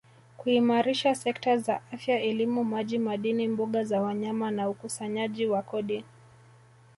kuimarisha sekta za Afya elimu maji madini mbuga za wanyama na ukusanyaji wa kodi